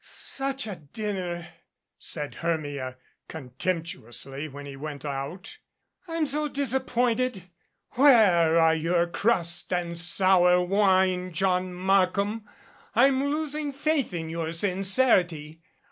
"Such a dinner!" said Hermia contemptuously when he went out. "I'm so disappointed. Where are your crust and sour wine, John Markham? I'm losing faith in your sincerity.